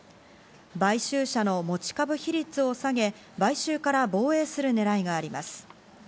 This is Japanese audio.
買収者の持ち株比率を下げ、買収から防衛するねらいがあります。